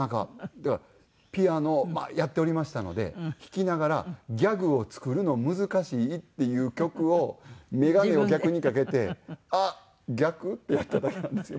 だからピアノをまあやっておりましたので弾きながら「ギャグを作るの難しい」っていう曲をメガネを逆に掛けて「あっ逆？」ってやっただけなんですよ。